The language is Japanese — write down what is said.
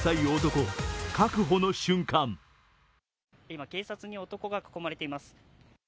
今、警察に男が囲まれています。